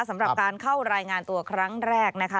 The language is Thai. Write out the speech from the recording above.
สำหรับการเข้ารายงานตัวครั้งแรกนะคะ